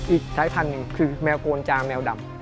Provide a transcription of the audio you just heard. อีกสายพันธุ์หนึ่งคือแมวโกนจางแมวดำ